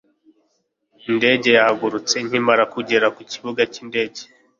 indege yahagurutse nkimara kugera ku kibuga cy'indege